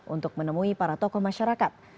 untuk menemui para tokoh masyarakat